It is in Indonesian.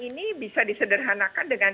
ini bisa disederhanakan dengan